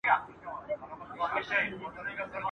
پاکه خاوره ئې وژغورله.